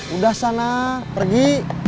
udah sana pergi